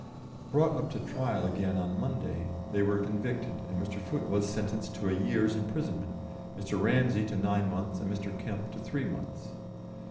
Brought up to trial again on Monday, they were convicted, and Mr. Foote was sentenced to a year's imprisonment, Mr. Ramsey to nine months, and Mr. Kemp to three months.